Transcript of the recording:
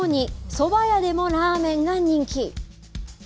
そば屋でもラーメンが人気。